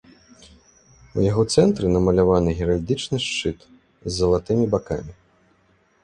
У яго цэнтры намаляваны геральдычны шчыт з залатымі бакамі.